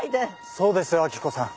そうですよ明子さん。